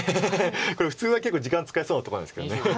これ普通は結構時間を使いそうなとこなんですけど。